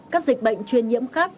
các dịch bệnh chuyên nhiễm khác